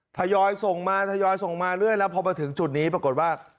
ทยอยส่งมาทยอยส่งมาเรื่อยแล้วพอมาถึงจุดนี้ปรากฏว่า